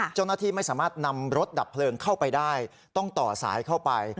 เจ้าหน้าที่ไม่สามารถนำรถดับเพลิงเข้าไปได้ต้องต่อสายเข้าไป